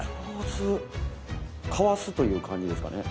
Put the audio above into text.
かわすという感じですかね。